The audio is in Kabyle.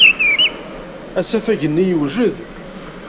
Asafag-nni yewjed.